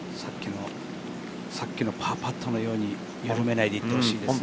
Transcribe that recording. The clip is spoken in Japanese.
さっきのパーパットのように緩めないでいってほしいですね。